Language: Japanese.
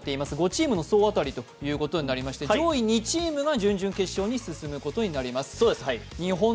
５チームの総当たりということになりまして上位２チームが準々決勝に進むことになります。